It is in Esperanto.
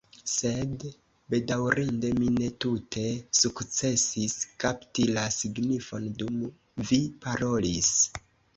Sed, bedaŭrinde mi ne tute sukcesis kapti la signifon dum vi parolis."